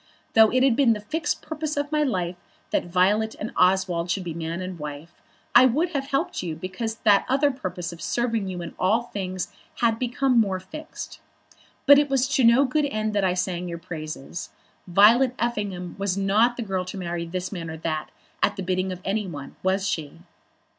Though it had been the fixed purpose of my life that Violet and Oswald should be man and wife, I would have helped you because that other purpose of serving you in all things had become more fixed. But it was to no good end that I sang your praises. Violet Effingham was not the girl to marry this man or that at the bidding of any one; was she?"